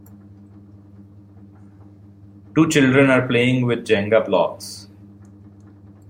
Two children are playing with Jenga blocks.